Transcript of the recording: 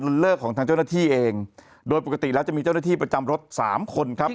เลิกของทางเจ้าหน้าที่เองโดยปกติแล้วจะมีเจ้าหน้าที่ประจำรถสามคนครับ